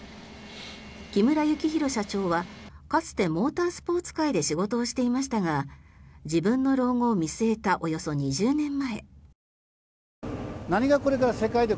木村幸弘社長はかつてモータースポーツ界で仕事をしていましたが自分の老後を見据えたおよそ２０年前。